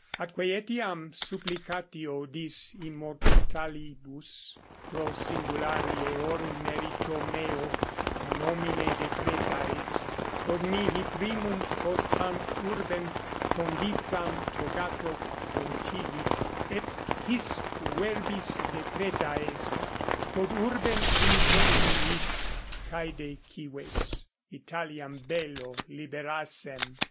Atque etiam supplicatio dis immortalibus pro singulari eorum merito meo nomine decreta est, quod mihi primum post hanc urbem conditam togato contigit, et his verbis decreta est: quod urbem incendiis, caede cives, Italiam bello liberassem.